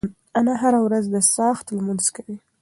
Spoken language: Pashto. انا هره ورځ د څاښت لمونځ کوي.